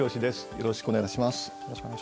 よろしくお願いします。